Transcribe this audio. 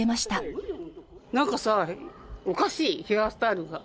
なんかさおかしいヘアスタイルが。